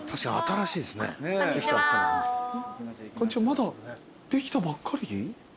まだできたばっかり？